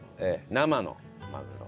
生マグロ。